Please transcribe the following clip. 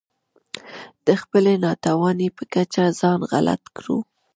د خپلې ناتوانۍ په کچه ځان غلط کړو.